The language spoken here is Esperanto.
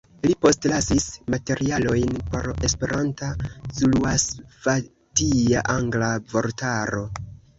Li postlasis materialojn por Esperanta-zuluasvatia-angla vortaro.